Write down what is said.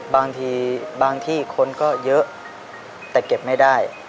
บางทีบางที่คนก็เยอะแต่เก็บไม่ได้